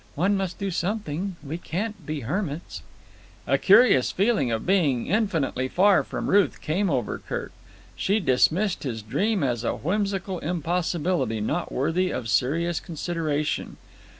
One must do something. We can't be hermits." A curious feeling of being infinitely far from Ruth came over Kirk. She dismissed his dream as a whimsical impossibility not worthy of serious consideration.